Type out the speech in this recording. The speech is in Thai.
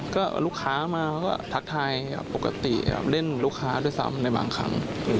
ก็ลูกค้ามาและเขาตักทายปกติแล้วเล่นลูกค้าด้วยซ้ำได้บางครั้ง